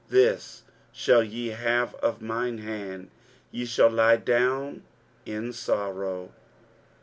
This shall ye have of mine hand; ye shall lie down in sorrow.